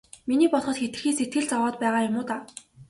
Миний бодоход хэтэрхий сэтгэл зовоод байгаа юм уу даа.